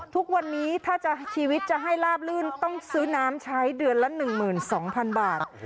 ทุกวันนี้ถ้าจะชีวิตจะให้ลาบลื่นต้องซื้อน้ำใช้เดือนละหนึ่งหมื่นสองพันบาท